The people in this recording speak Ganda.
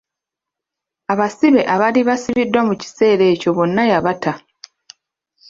Abasibe abaali basibiddwa mu kiseera ekyo bonna yabata.